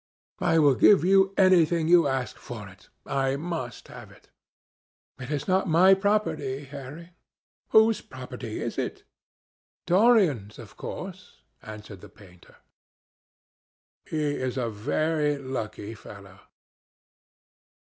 I will give you anything you like to ask for it. I must have it." "It is not my property, Harry." "Whose property is it?" "Dorian's, of course," answered the painter. "He is a very lucky fellow."